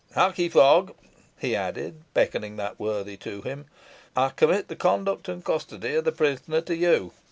Harkee, Fogg," he added, beckoning that worthy to him, "I commit the conduct and custody of the prisoner to you.